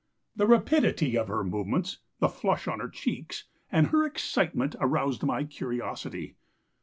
The rapidity of her movements, the flush on her cheeks and her excitement, aroused my curiosity.